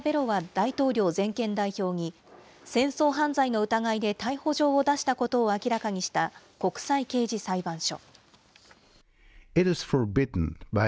大統領全権代表に、戦争犯罪の疑いで逮捕状を出したことを明らかにした国際刑事裁判所。